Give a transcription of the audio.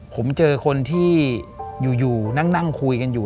ผมเจอคนที่อยู่นั่งคุยกันอยู่